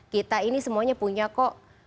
kita ini semuanya punya kok